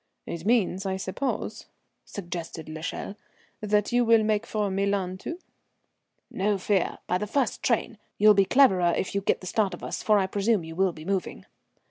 "It means, I suppose," suggested l'Echelle, "that you will make for Milan, too?" "No fear by the first train. You'll be clever if you get the start of us, for I presume you will be moving."